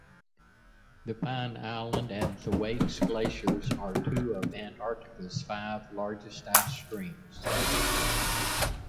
The Pine Island and Thwaites glaciers are two of Antarctica's five largest ice streams.